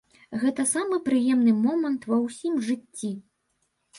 Гэта самы прыемны момант ва ўсім жыцці!